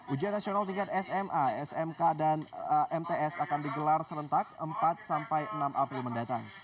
ujian nasional tingkat sma smk dan mts akan digelar serentak empat sampai enam april mendatang